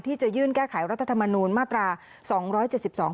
ที่จะยื่นแก้ไขรัฐธรรมนูญมาตราสองร้อยเจ็ดสิบสอง